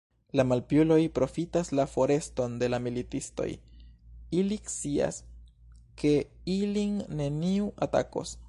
La malpiuloj profitas la foreston de la militistoj, ili scias, ke ilin neniu atakos.